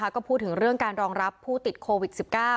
ก็พูดถึงเรื่องการรองรับผู้ติดโควิด๑๙